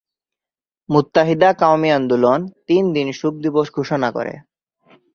মুত্তাহিদা কওমি আন্দোলন তিন দিন শোক দিবস ঘোষণা করে।